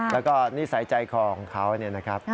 แล้วก็นิสัยใจคอของเขาเนี่ยนะครับ